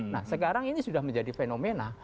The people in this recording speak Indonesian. nah sekarang ini sudah menjadi fenomena